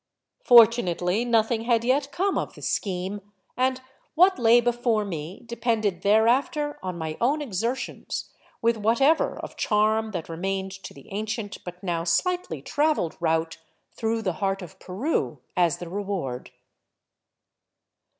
Fortunately, nothing had yet come of the scheme, and what lay before me depended thereafter on my own exertions, with whatever of charm that remained to the ancient but now slightly traveled route through the heart of Peru, as the reward.